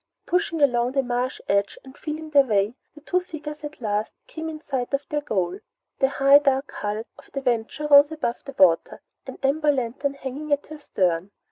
Pushing along the marsh edge and feeling their way, the two figures at last came in sight of their goal. The high dark hull of the Venture rose above the water, an amber lantern hanging at her stern.